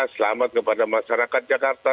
selamat kepada masyarakat jakarta